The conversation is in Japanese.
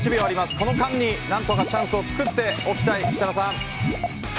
この間に何とかチャンスを作っておきたい設楽さん。